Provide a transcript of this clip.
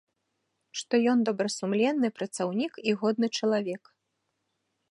Што ён добрасумленны працаўнік і годны чалавек.